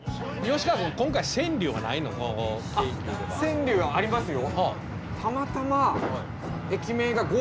川柳はありますよ。